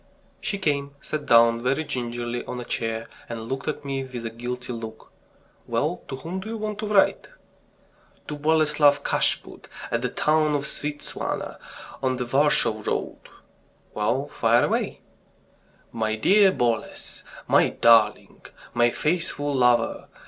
She came, sat down very gingerly on a chair, and looked at me with a guilty look. "Well, to whom do you want to write?" "To Boleslav Kashput, at the town of Svieptziana, on the Warsaw Road..." "Well, fire away!" "My dear Boles ... my darling ... my faithful lover.